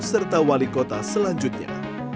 serta wali kota selanjutnya